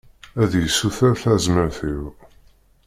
Ad d-yessuter tazmert-iw.